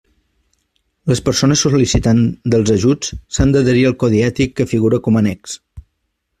Les persones sol·licitants dels ajuts s'han d'adherir al codi ètic que figura com a annex.